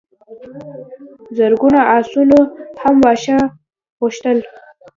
زرګونو آسونو هم واښه غوښتل.